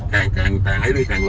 càng càng càng hãy đi càng lên